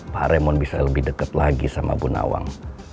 pak remon bisa lebih dekat lagi sama bu nawang